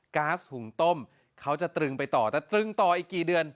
๊าซหุงต้มเขาจะตรึงไปต่อแต่ตรึงต่ออีกกี่เดือน